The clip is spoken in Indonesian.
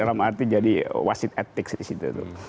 dalam arti jadi wasit etik disitu